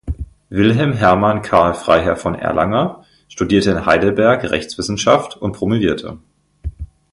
Wilhelm Hermann Carl Freiherr von Erlanger studierte in Heidelberg Rechtswissenschaft und promovierte.